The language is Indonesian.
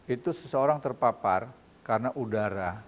itu seseorang terpapar karena udara